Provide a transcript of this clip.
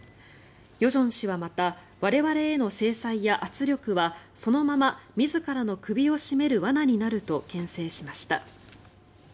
与正氏はまた我々への制裁や圧力はそのまま自らの首を絞める罠になるとけん制しました。